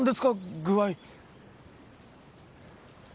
具合